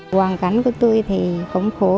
hoàn cảnh của tôi thì khổng khổ